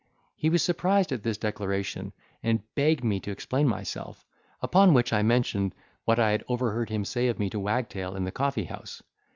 He was surprised at this declaration, and begged me to explain myself; upon which I mentioned what I had overheard him say of me to Wagtail in the coffee house.